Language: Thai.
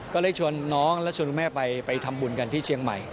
ก็เลยชวนน้องและชวนคุณแม่ไปทำบุญกันที่เชียงใหม่